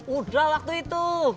udah waktu itu